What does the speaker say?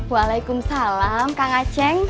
waalaikumsalam kang aceng